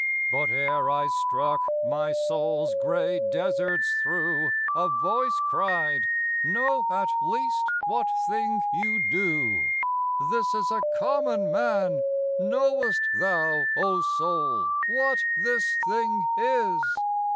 But ere I struck, my soul's grey deserts through A voice cried, 'Know at least what thing you do.' 'This is a common man: knowest thou, O soul, What this thing is?